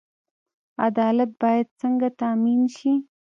عدالت باید څنګه تامین شي؟